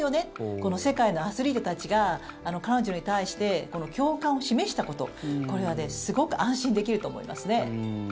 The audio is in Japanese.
この世界のアスリートたちが彼女に対して共感を示したことこれはね、すごく安心できると思いますね。